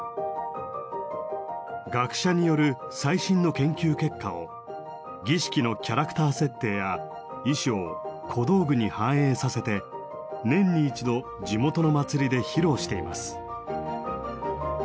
学者による最新の研究結果を儀式のキャラクター設定や衣装・小道具に反映させて年に一度地元の祭りで披露しています。